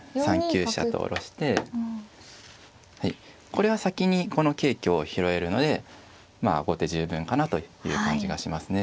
これは先にこの桂香を拾えるのでまあ後手十分かなという感じがしますね。